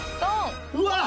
うわっ！